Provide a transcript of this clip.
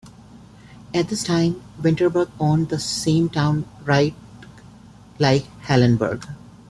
At this time Winterberg owned the same town right like Hallenberg.